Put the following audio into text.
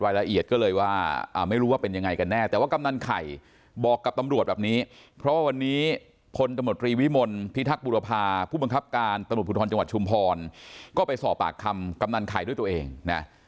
ละเอียดก็เลยว่าไม่รู้ว่าเป็นยังไงกันแน่แต่ว่ากำนันไข่บอกกับตำรวจแบบนี้เพราะวันนี้พลตำรวจรีวิมลพิทักษ์บุรพาผู้บังคับการตำรวจภูทรจังหวัดชุมพรก็ไปสอบปากคำกำนันไข่ด้วยตัวเองนะ